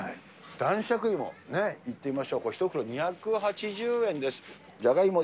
男爵イモ、これいってみましょう、これ、１袋２８０円です。